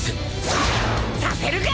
させるか！